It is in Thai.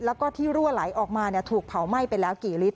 แล้วก็ที่รั่วไหลออกมาถูกเผาไหม้ไปแล้วกี่ลิตร